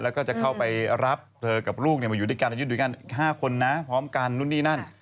แล้วก็จะเข้าไปรับเธอกับลูกมาอยู่ด้วยกัน๕คนนะพร้อมกันนู่นนี่นั่น